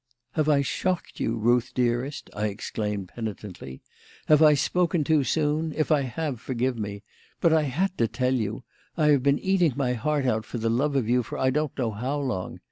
"Have I shocked you, Ruth, dearest?" I exclaimed penitently, "have I spoken too soon? If I have, forgive me. But I had to tell you. I have been eating my heart out for love of you for I don't know how long.